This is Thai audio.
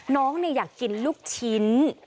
น้องเนี่ยอยากกินลูกชิ้น